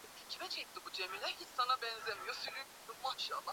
kulitokea ama kulichezwa mashindano ya cecafa